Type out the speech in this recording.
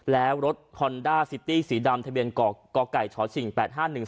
แล้วรถฮอนด้าซิตี้สีดำทะเบียนก่อก่อไก่ชฉิงแปดห้าหนึ่ง